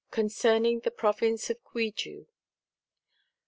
Concerning the Province of Cuiju.